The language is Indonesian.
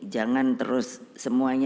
jangan terus semuanya